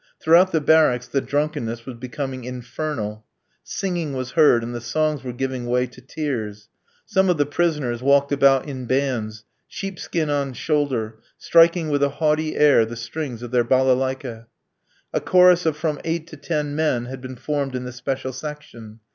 Throughout the barracks the drunkenness was becoming infernal. Singing was heard, and the songs were giving way to tears. Some of the prisoners walked about in bands, sheepskin on shoulder, striking with a haughty air the strings of their balalaiki. A chorus of from eight to ten men had been formed in the special section.